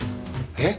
えっ！？